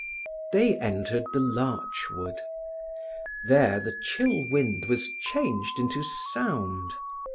They entered the larch wood. There the chill wind was changed into sound.